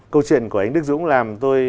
câu chuyện của anh đức dũng làm tôi